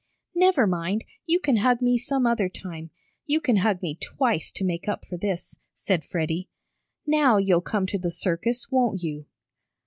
"Never mind, you can hug me some other time you can hug me twice to make up for this," said Freddie. "Now you'll come to the circus, won't you?"